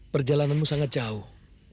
perjalananmu sangat jauh